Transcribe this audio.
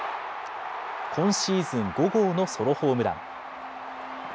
今シーズン５号のソロホームラン。